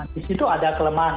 di situ ada kelemahan